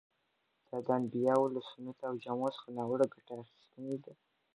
ده د انبیاوو له سنتو او جامو څخه ناوړه ګټه اخیستې ده.